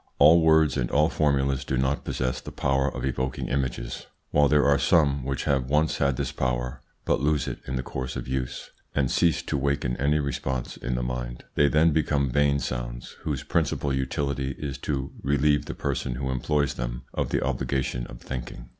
All words and all formulas do not possess the power of evoking images, while there are some which have once had this power, but lose it in the course of use, and cease to waken any response in the mind. They then become vain sounds, whose principal utility is to relieve the person who employs them of the obligation of thinking.